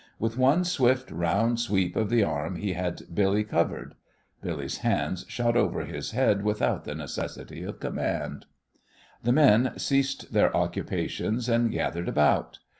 With one swift, round sweep of the arm he had Billy covered. Billy's hands shot over his head without the necessity of command. The men ceased their occupations and gathered about.